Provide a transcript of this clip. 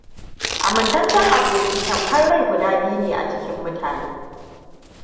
Amintaccen aboki tamkar rai guda ne a jikin mutane biyu.